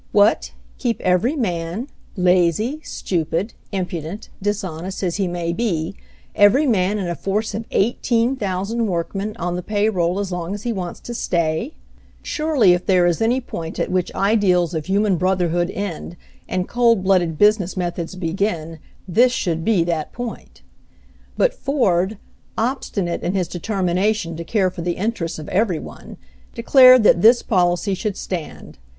What, keep every man — lazy, stupid, impudent, dishonest, as he may be — every man in a force of 18,000 workmen, on the pay roll as long as he wants to stay ? Surely, if there is any point at which ideals of human brother 161 .« 162 HENRY FORD'S OWN STORY hood end and coldblooded business methods begin, this should be that point. But Ford, obstinate in his determination to care for the interests of every one, declared that this policy should stand.